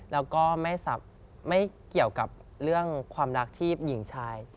แล้วก็ไม่เกี่ยวกับเรื่องความรักที่หญิงชาย